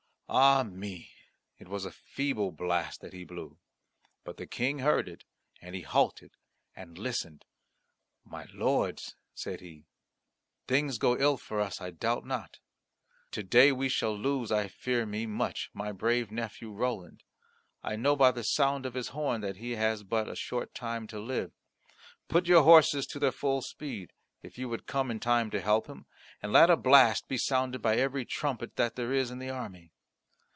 Ah me! it was a feeble blast that he blew. But the King heard it, and he halted and listened. "My lords!" said he, "things go ill for us, I doubt not. To day we shall lose, I fear me much, my brave nephew Roland. I know by the sound of his horn that he has but a short time to live. Put your horses to their full speed, if you would come in time to help him, and let a blast be sounded by every trumpet that there is in the army."